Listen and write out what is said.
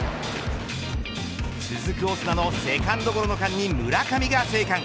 続くオスナのセカンドゴロの間に村上が生還。